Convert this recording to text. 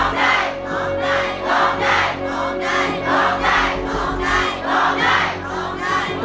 ร้องได้๐๕